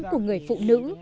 của người phụ nữ